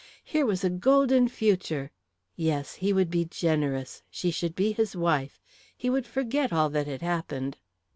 Here was a golden future; yes, he would be generous; she should be his wife; he would forget all that had happened....